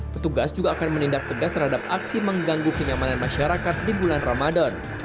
petugas juga akan menindak tegas terhadap aksi mengganggu kenyamanan masyarakat di bulan ramadan